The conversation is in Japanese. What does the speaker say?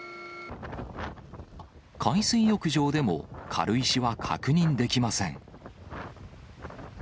海水浴場でも、軽石は確認できません。